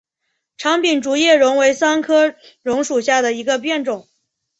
长柄竹叶榕为桑科榕属下的一个变种。